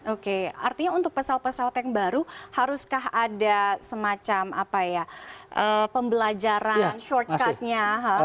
oke artinya untuk pesawat pesawat yang baru haruskah ada semacam apa ya pembelajaran shortcutnya